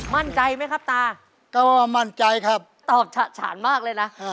มั่นใจไหมครับตาก็มั่นใจครับตอบฉะฉานมากเลยนะ